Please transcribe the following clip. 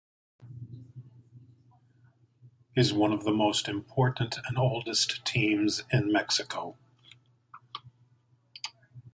Is one of the most important and oldest teams in Mexico.